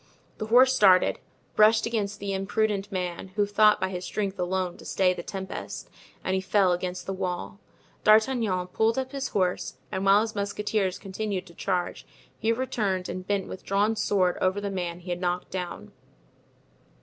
The horse started, brushed against the imprudent man, who thought by his strength alone to stay the tempest, and he fell against the wall. D'Artagnan pulled up his horse, and whilst his musketeers continued to charge, he returned and bent with drawn sword over the man he had knocked down.